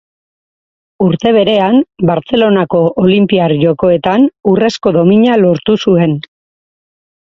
Urte berean, Bartzelonako Olinpiar Jokoetan, urrezko domina lortu zuen.